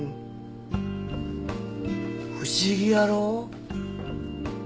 不思議やろ？